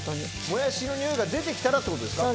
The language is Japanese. もやしの匂いが出て来たらってことですか？